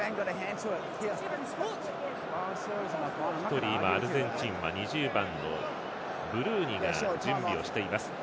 一人、アルゼンチンは２０番のブルーニが準備をしています。